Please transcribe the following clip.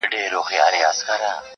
دا کيسه پوښتنه پرېږدي تل تل-